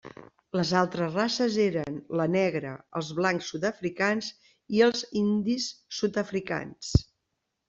Les altres races eren la negra, els blancs sud-africans i els indis sud-africans.